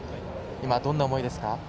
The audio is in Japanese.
今、どんな思いですか。